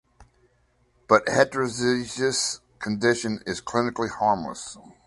But heterozygous condition is clinically harmless.